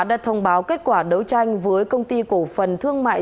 đã thông báo kết quả đấu tranh với công ty cổ phần thương mại